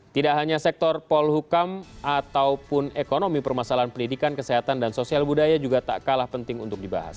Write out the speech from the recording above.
tidak hanya sektor polhukam ataupun ekonomi permasalahan pendidikan kesehatan dan sosial budaya juga tak kalah penting untuk dibahas